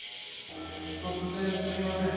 突然すみません。